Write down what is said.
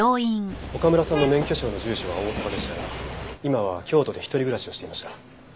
岡村さんの免許証の住所は大阪でしたが今は京都で一人暮らしをしていました。